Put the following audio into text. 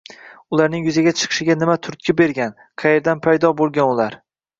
Ularning yuzaga chiqishiga nima turtki bergan, qayerdan paydo boʻlgan ular